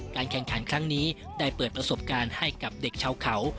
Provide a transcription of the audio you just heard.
แข่งขันครั้งนี้ได้เปิดประสบการณ์ให้กับเด็กชาวเขา